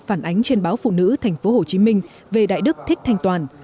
phản ánh trên báo phụ nữ tp hcm về đại đức thích thanh toàn